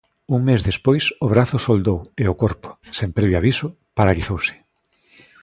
Un mes despois o brazo soldou, e o corpo, sen previo aviso, paralizouse.